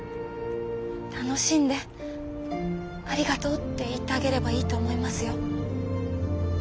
楽しんで「ありがとう」って言ってあげればいいと思いますよ。